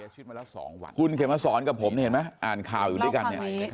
คุณเขียนมาสอนกับผมเห็นไหมอ่านข่าวอยู่ด้วยกัน